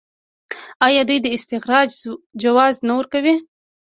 آیا دوی د استخراج جواز نه ورکوي؟